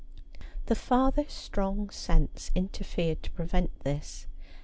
The father's strong sense interfered to prevent this.